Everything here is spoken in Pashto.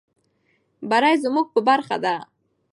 بري زموږ په برخه ده.